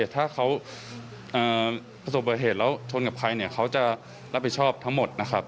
ถ้าเขาประสบบัติเหตุแล้วชนกับใครเนี่ยเขาจะรับผิดชอบทั้งหมดนะครับ